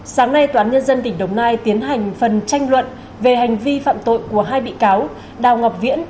sáng nay toán nhân dân tỉnh đồng nai tiến hành phần tranh luận về hành vi phạm tội của hai bị cáo đào ngọc viễn